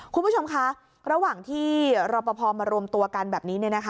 คุณผู้ชมคะระหว่างที่รอปภมารวมตัวกันแบบนี้